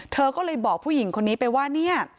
เธอก็เลยบอกผู้หญิงคนนี้ไปว่าเนี่ย